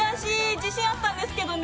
自信あったんですけどね。